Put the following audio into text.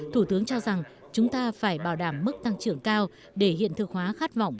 thủ tướng cho rằng chúng ta phải bảo đảm mức tăng trưởng cao để hiện thực hóa khát vọng